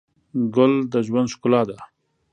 ګل د ژوند ښکلا ده.